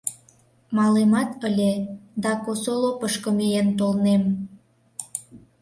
— Малемат ыле, да Косолопышко миен толнем.